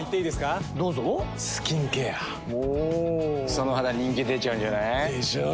その肌人気出ちゃうんじゃない？でしょう。